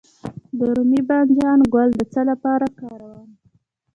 د رومي بانجان ګل د څه لپاره وکاروم؟